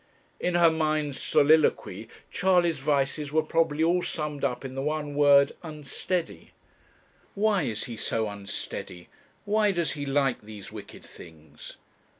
In her mind's soliloquy, Charley's vices were probably all summed up in the one word, unsteady. 'Why is he so unsteady? Why does he like these wicked things?'